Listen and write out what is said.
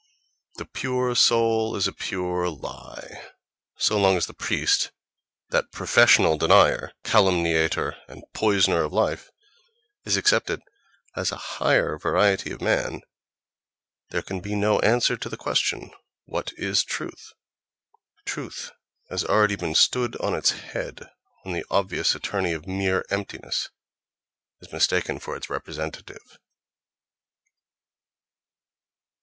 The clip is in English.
The pure soul is a pure lie.... So long as the priest, that professional denier, calumniator and poisoner of life, is accepted as a higher variety of man, there can be no answer to the question, What is truth? Truth has already been stood on its head when the obvious attorney of mere emptiness is mistaken for its representative....